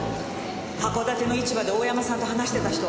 函館の市場で大山さんと話してた人。